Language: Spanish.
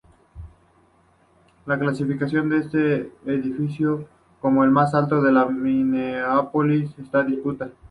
La clasificación de este edificio como el más alto de Minneapolis está en disputa.